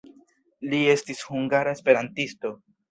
Li estis hungara esperantisto.